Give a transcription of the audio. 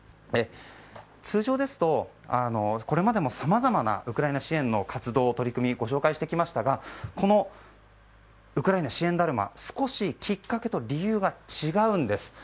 通常ですと、これまでもさまざまなウクライナ支援の活動や取り組みをご紹介してきましたがこのウクライナ支援だるま少し、きっかけと理由が違うんです。